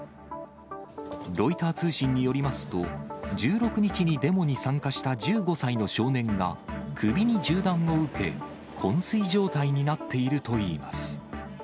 ロイター通信によりますと、１６日にデモに参加した１５歳の少年が、首に銃弾を受け、こん睡状態になっているといいます。